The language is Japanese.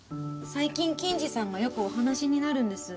最近金治さんがよくお話しになるんです。